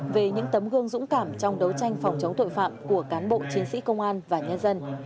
về những tấm gương dũng cảm trong đấu tranh phòng chống tội phạm của cán bộ chiến sĩ công an và nhân dân